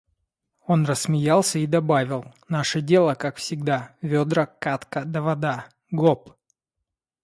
– Он рассмеялся и добавил: – Наше дело, как всегда: ведра, кадка да вода… Гоп!